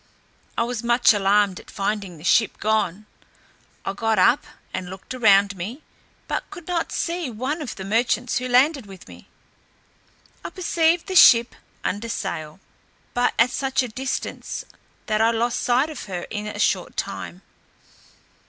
I was much alarmed at finding the ship gone. I got up and looked around me, but could not see one of the merchants who landed with me. I perceived the ship under sail, but at such a distance, that I lost sight of her in a short time.